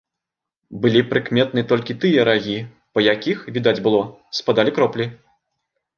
Былі прыкметны толькі тыя рагі, па якіх, відаць было, спадалі кроплі.